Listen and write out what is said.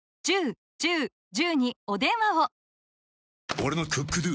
俺の「ＣｏｏｋＤｏ」！